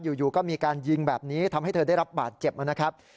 อยู่ก็มีการยิงแบบนี้ทำให้เธอได้รับบาดเจ็บนะครับ